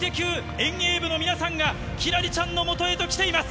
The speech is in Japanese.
遠泳部の皆さんが輝星ちゃんのもとへと来ています。